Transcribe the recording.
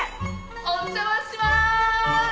お邪魔します！